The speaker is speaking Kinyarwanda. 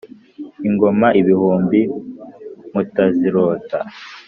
ingoma bihumbi mutazirota